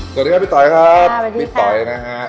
สวัสดีครับพี่ต๋อยครับพี่ต๋อยนะฮะ